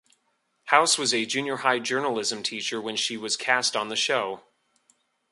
House was a junior high journalism teacher when she was cast on the show.